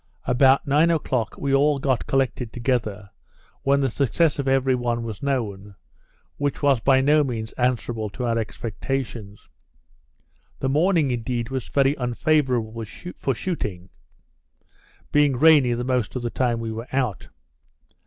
About nine o'clock we all got collected together, when the success of everyone was known, which was by no means answerable to our expectations. The morning, indeed, was very unfavourable for shooting, being rainy the most of the time we were out.